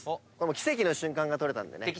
奇跡の瞬間が撮れたんでね。